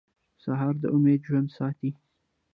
سهار د امید ژوندی ساتي.